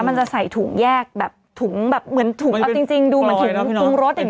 มันจะใส่ถุงแยกแบบถุงแบบเหมือนถุงเอาจริงดูเหมือนถุงปรุงรสอย่างนี้